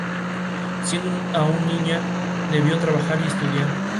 Siendo aún una niña, debió trabajar y estudiar.